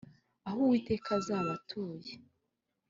aho uwiteka azabatuye.